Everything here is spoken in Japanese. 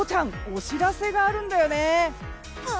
お知らせがあるんだよね？